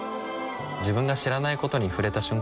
自分が知らないことに触れた瞬間